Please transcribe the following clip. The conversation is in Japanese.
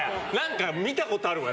見たことあるわ。